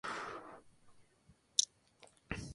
Según Nielsen Ratings, "Mr.